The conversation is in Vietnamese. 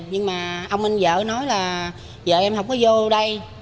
nhưng mà ông anh vợ nói là vợ em không có vô đây